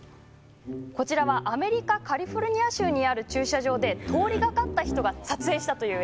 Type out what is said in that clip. こちらはアメリカカリフォルニア州にある駐車場で通りがかった人が撮影したという映像。